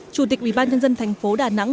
chủ tịch ubnd tp đà nẵng